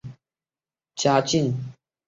嘉靖十七年授直隶丹徒县知县。